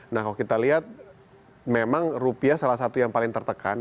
nah kalau kita lihat memang rupiah salah satu yang paling tertekan